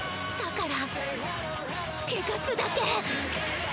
だから穢すだけ！